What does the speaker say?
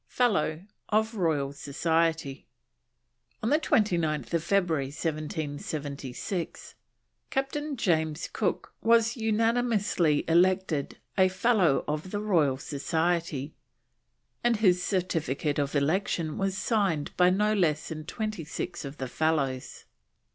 FELLOW OF ROYAL SOCIETY. On 29th February 1776, Captain James Cook was unanimously elected a Fellow of the Royal Society, and his certificate of election was signed by no less than twenty six of the Fellows.